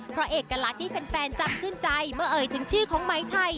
เพราะเอกลักษณ์ที่แฟนจำขึ้นใจเมื่อเอ่ยถึงชื่อของไหมไทย